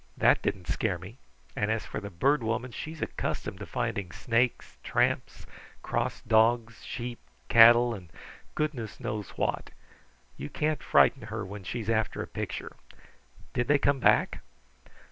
That didn't scare me; and as for the Bird Woman, she's accustomed to finding snakes, tramps, cross dogs, sheep, cattle, and goodness knows what! You can't frighten her when she's after a picture. Did they come back?"